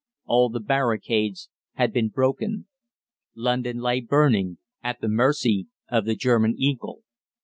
All the barricades had been broken. London lay burning at the mercy of the German eagle.